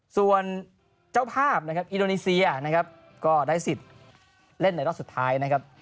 ส่วนเจ้าภาพอิโดนีเซียก็ได้สิทธิ์เล่นในรอบสุดท้าย